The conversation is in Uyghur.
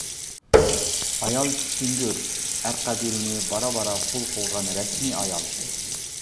ئايال-كۈچتۈڭگۈر ئەر قەبىلىنى بارا-بارا قۇل قىلغان رەسمىي ئايال.